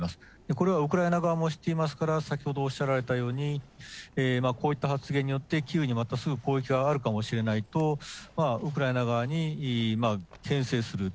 これはウクライナ側も知っていますから、先ほどおっしゃられたように、こういった発言によってキーウにまたすぐ攻撃があるかもしれないと、ウクライナ側にけん制する。